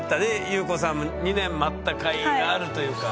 裕子さんも２年待ったかいがあるというか。